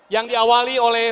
yang diawali oleh